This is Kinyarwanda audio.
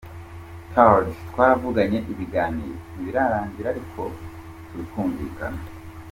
Tardy twaravuganye, ibiganiro ntibirarangira ariko turikumvikana.